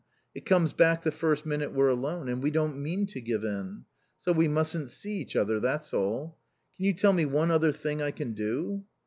It comes back the first minute we're alone. And we don't mean to give in. So we mustn't see each other, that's all. Can you tell me one other thing I can do?"